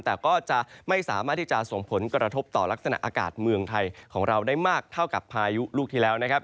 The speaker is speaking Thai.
แต่ก็จะไม่สามารถที่จะส่งผลกระทบต่อลักษณะอากาศเมืองไทยของเราได้มากเท่ากับพายุลูกที่แล้วนะครับ